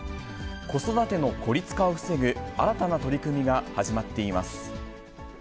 子育ての孤立化を防ぐ、新たな取り組みが始まっています。